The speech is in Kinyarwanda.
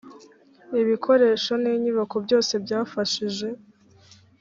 ibikoresho n inyubako byose byafashije